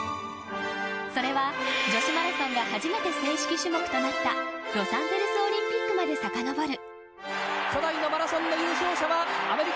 それは女子マラソンが初めて正式種目となったロサンゼルスオリンピックまでさかのぼる。